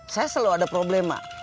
saya selalu ada problema